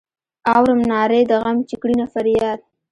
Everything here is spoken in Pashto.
اورم نارې د غم چې کړینه فریاد.